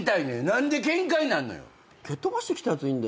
何でケンカになんのよ。